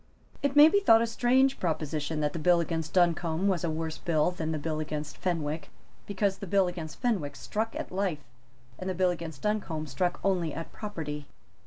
It may be thought a strange proposition that the bill against Duncombe was a worse bill than the bill against Fenwick, because the bill against Fenwick struck at life, and the bill against Duncombe struck only at property.